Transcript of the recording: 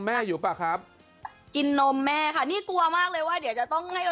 บ้านอยู่บังพีไงพี่เปิ้ลบ้านอยู่บังพีเกิดได้อย่างนี้